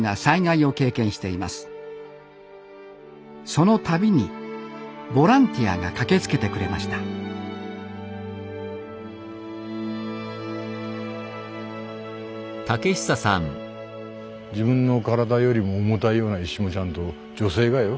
その度にボランティアが駆けつけてくれました自分の体よりも重たいような石もちゃんと女性がよ